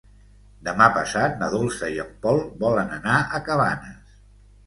Demà passat na Dolça i en Pol volen anar a Cabanes.